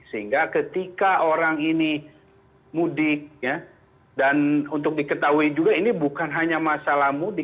sehingga ketika orang ini mudik dan untuk diketahui juga ini bukan hanya masalah mudik